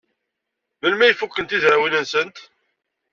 Melmi ay fukent tizrawin-nsent?